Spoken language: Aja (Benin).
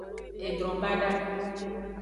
Edron bada.